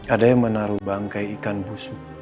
ada yang menaruh bangkai ikan busuk